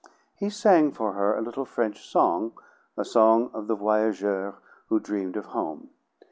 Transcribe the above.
He sang for her a little French song, a song of the voyageur who dreamed of home.